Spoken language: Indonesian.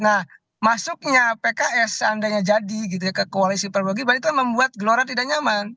nah masuknya pks seandainya jadi gitu ya ke koalisi perubahan itu membuat gelora tidak nyaman